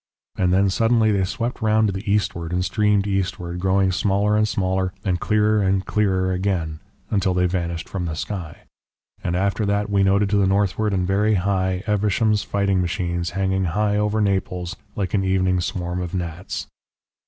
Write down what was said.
And then suddenly they swept round to the eastward and streamed eastward, growing smaller and smaller and clearer and clearer again until they vanished from the sky. And after that we noted to the northward and very high Evesham's fighting machines hanging high over Naples like an evening swarm of gnats.